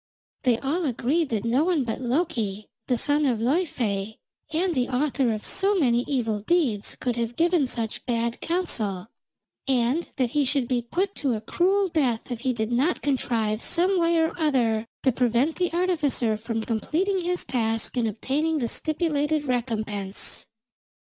They all agreed that no one but Loki, the son of Laufey, and the author of so many evil deeds, could have given such bad counsel, and that he should be put to a cruel death if he did not contrive some way or other to prevent the artificer from completing his task and obtaining the stipulated recompense.